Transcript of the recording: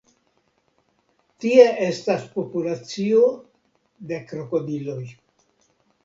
Tie estas populacio de krokodiloj.